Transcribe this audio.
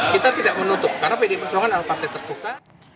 kita tidak menutup karena pdi perjuangan adalah partai terbuka